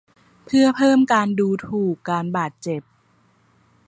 เพื่อเพิ่มการดูถูกการบาดเจ็บ